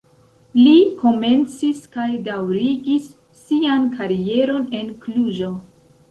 Li komencis kaj daŭrigis sian karieron en Kluĵo.